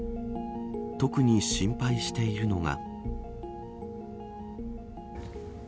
特に心配しているのが。